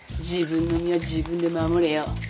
自分の身は自分で守れよ。